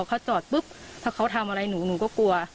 เขาจอดปุ๊บถ้าเขาทำอะไรหนูหนูก็กลัว